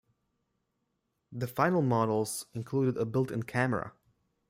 The final models included a built-in camera.